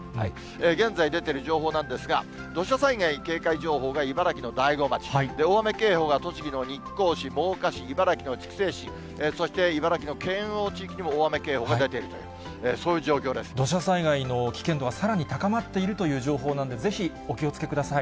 現在出ている情報なんですが、土砂災害警戒情報が茨城の大子町、大雨警報が栃木の日光市、真岡市、茨城の筑西市、そして茨城の県央地域も大雨警報が出てい土砂災害の危険度がさらに高まっているという情報なので、ぜひお気をつけください。